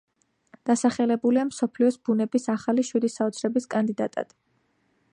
დასახელებულია მსოფლიოს ბუნების ახალი შვიდი საოცრების კანდიდატად.